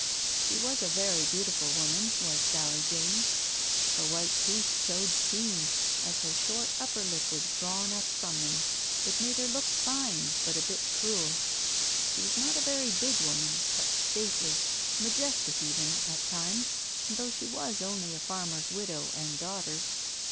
She was a very beautiful woman, was Sally James. Her white teeth showed keen, as her short upper lip was drawn up from them. It made her look fine, but a bit cruel. She was not a very big woman, but stately, majestic even, at times, though she was only a farmer's widow and daughter.